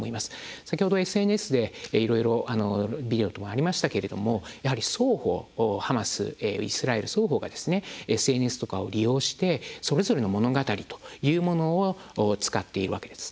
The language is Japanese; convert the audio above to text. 先ほどＳＮＳでいろいろビデオもありましたがハマスイスラエル双方がＳＮＳとかを利用してそれぞれの物語というものを使っているわけです。